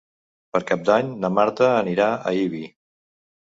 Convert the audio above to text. Per Cap d'Any na Marta anirà a Ibi.